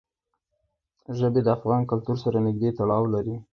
ژبې د افغان کلتور سره نږدې تړاو لري.